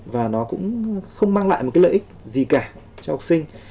và nó cũng không mang lại lợi ích gì cả cho học sinh